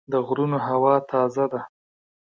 د غرونو هوا تازه ده.